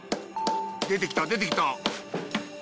出てきた出てきた。